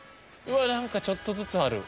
うわっ何かちょっとずつある。